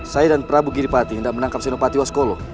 saya dan prabu giripati tidak menangkap senopati waskolo